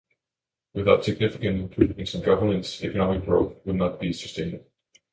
Without significant improvements in governance, economic growth will not be sustainable.